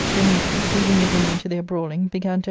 Dametas, leaving the women to their brawling, began to